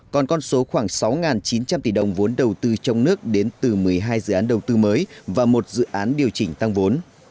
còn con số khoảng sáu chín trăm linh tỷ đồng vốn đầu tư trong nước đến từ một mươi hai dự án đầu tư mới và một dự án điều chỉnh tăng vốn